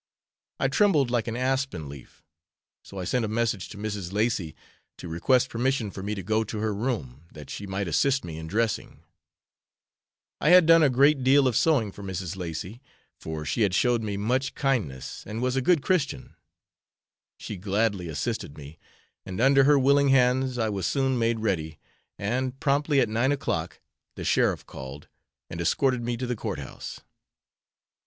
I trembled like an aspen leaf; so I sent a message to Mrs. Lacy to request permission for me to go to her room, that she might assist me in dressing. I had done a great deal of sewing for Mrs. Lacy, for she had showed me much kindness, and was a good Christian. She gladly assisted me, and under her willing hands I was soon made ready, and, promptly at nine o'clock, the sheriff called and escorted me to the courthouse.